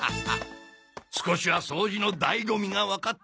少しは掃除の醍醐味がわかったか？